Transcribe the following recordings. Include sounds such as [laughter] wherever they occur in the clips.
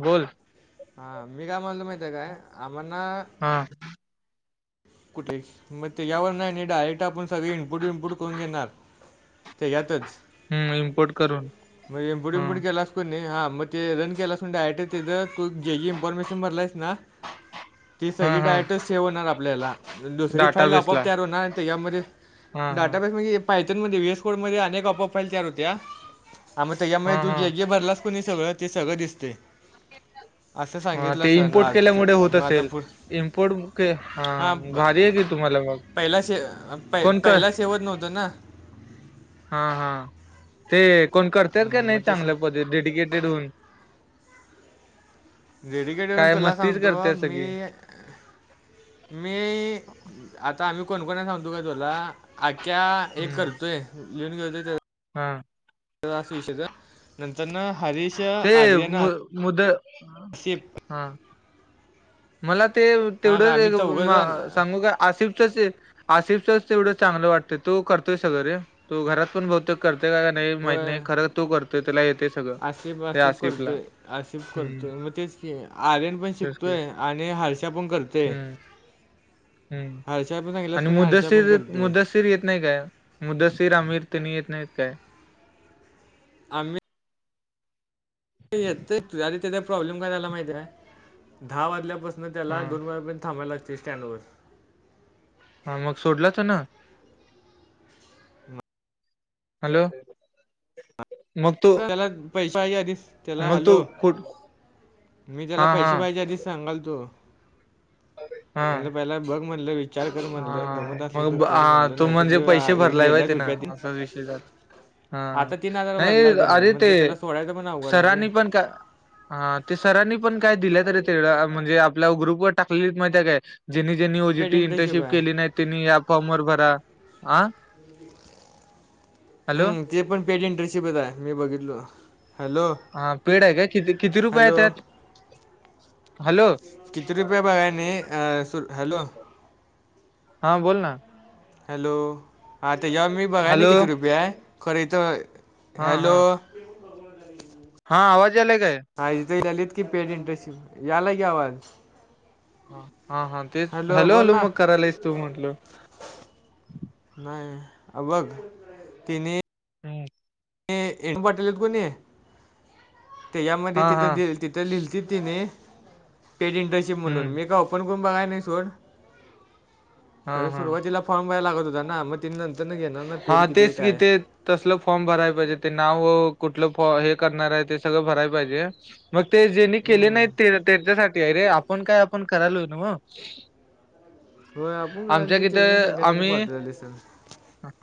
बोल हा मी काय म्हणल माहित आहेय काय आम्हाना हा कुठे मग ते यावर नाही डायरेक्ट आपण सगळे इनपुट विनपुट करून घेणार ते घतच हम्म इम्पोर्ट करून मगमपड हा विंपड केला हा मग ते रन केला असय जे जी इन्फॉर्मेशन भरला आहेस ना ती हा सगळी हा डायटच सेव होणार [inaudible] पायथन डाटाबेसला हा हा मध्ये वएस कोड मध्ये अक अपरफाईल तया हो्या आ मग हा त्याच्यामुळे तू हा जे जे भरलास कोणी सगळं ते सगळं दिसते असं हा सांगितलं ते सर ना इम्पोर्ट आज केल्यामुळे होत मग आता असेल पुढ इम्पोर्ट हा भारी हां आहे की तुम्हाला मग कोण का तेवत न होत ना हा हा ते कोण करते का नाही मग ते चांगल्या पद्धत डेडिकेटेड होऊन रेडीिकेडऊन काय तुला मस्तीच सांगतो करते मी सगळी मी आता आम्ही कोणकोणा सांगतो का तुोला आख्ख्या एक हम्म करतोय लिऊन घेऊतोय हा ास विषद नंतर ना हरीश ते आर्यन मु मुद आसिफ हा मला ते हा का आम्ही चौघं जण तेवढं सांगू का आसिफ आिफचच तेवढं चांगलं वाटतंय तो करतोय सगरे तो घरात पण ब करते का का नाही व माहित नाही खरं तू करत त्याला येते सगळं त्या आसिफला असे हम्म करतोय मग तेच की आर्यन पण तेच की शिकतोय आणि हर्षा पण करतो हम्म हम्म हर्षा पण सांगितलंस आणि कोणी हर्षा पण मुदसिर करते मुद्दस्िर येत नाही काय मुदसिर आमिर तनी येत नाहीत काय आम्ही येत तुझ त्या प्रॉब्लेम काय झाला माहिती आहे दहा वाजल्यापासून न हा त्याला दोन मेार पण थांबायला लागतील सँडवर. हा मग सोडला तर ना. हॅलो मग तो. त्याला पैसे पाहिजे आधीच त्याला मग तो हॅलो कुठ मी हा त्याला हा पैसे पाहिजे आधीस. सांगाल तो. हा म्हणलं पहिला बघ म्हणलं विचार कर म्हणलं हा दमत असलं मग तर ब- कर आ, म्हणलं नाहीत गेल्यात रुपया त षय झा हा हजार भरला नाही. आहे त्यांना अरे ते म्हणलं त्याला सोडायचं पण अवघड आहे रे सरांनी पण का हा ते सरांनी पण काय दिलं तरी तेवढ म्हणजे आपल्या ग्रुपवर टाकलेली माहिित काय. ज्यांनी ज्यांनी पेड ओजीटी इंटरशिप इंटर्नशिप आहे केली नाही त्यांनी या फॉर्म वर भरा ह. हम्. ते पण पेडंटरेस ब आहे मी बघितलो हॅलो. हा पेड आहे काय किती किती रुपये आहेत हॅलो त्यात हॅलो. पने. हॅलो हा बोल ना. हॅलो हाता याव मी बघा ना हॅलो किती रुपये आहे खरं तर हा हॅलो. हा हा आवाज अले का आहे? आज त आलीत की पेट इंटशि यालाय की आवाज. हा हा तेच हॅलो बोल हॅलो ना मग करायला आहेस तू म्हटलं. नाही अ बघ तिन.. हम बटलत कोणी ते यामध्ये हा हा तिथं तिथं लिल. पेड इंटरशिप म्हणून हम्म मी का ओपन करून बघाय नाही सोड. हा खरं हा सुरुवातीला फॉर्म भरायला लागत होता ना मग तिने नंतर न घेणार ना हा पेड किती आहे तेच कि काय. ते तसलं फॉर्म भराय पाहिजे ते नाव व कुठलं फॉ हे करणार आहे ते सगळं भराय पाहिजे. मग ते जेनी केले हम्म. नाही ते त्याच्यासाठी अ रे आपण काय आपण करालो ना मग. हो आपण काल जे केलं ना त्यांच्यासाठी आम्ही पवो दि सल.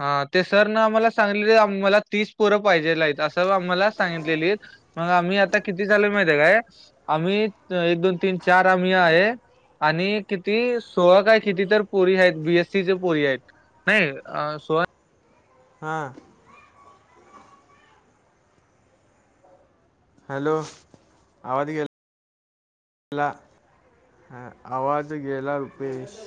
हा ते सर न आम्हाला सांगलेले मला तीस पोरं पाहिजेला आहेतत असं आम्हाला सांगितलेली. मग आम्ही आता किती चालू माहिित आहे काय आम्ही एक दोन तीन चार आम्ही आहे. आणि किती सोळा काय किती तर पोरी आहेत बीएस सीचे पोरी आहेत. नाही अ सो. हा हॅलो आवाज गे. आवाज गेला रुपेश.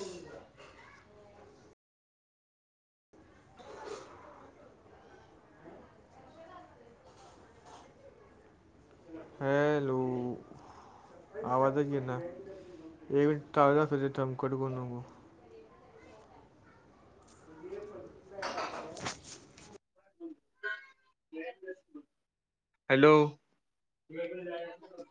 हॅलो आवाजच घे ना एक मिटेत कटक नको. ब हॅलो